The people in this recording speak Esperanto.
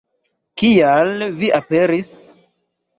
Kial vi aperis?